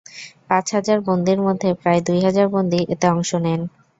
পাঁচ হাজার বন্দীর মধ্যে প্রায় দুই হাজার বন্দী এতে অংশ নেন।